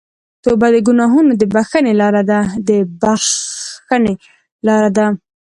توبه د ګناهونو د بخښنې لاره ده.